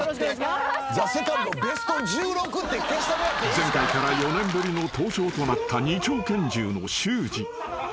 ［前回から４年ぶりの登場となった２丁拳銃の修士］